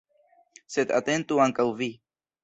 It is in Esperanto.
Sed atentu ankaŭ vi.